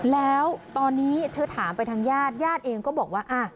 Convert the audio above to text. แล้วตอนนี้เธอถามไปทางญาติญาติเองก็บอกว่า